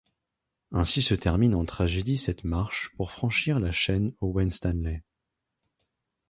Ainsi se termine en tragédie cette marche pour franchir la chaîne Owen Stanley.